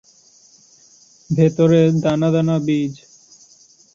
ভেতরে দানা দানা বীজ।